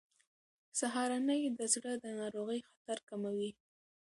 سهارنۍ د زړه د ناروغۍ خطر کموي.